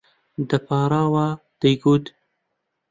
دەپاڕاوە، دەیگوت: